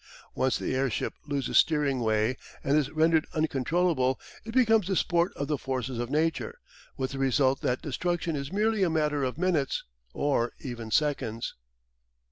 Once the airship loses steering way and is rendered uncontrollable it becomes the sport of the forces of Nature, with the result that destruction is merely a matter of minutes, or even seconds.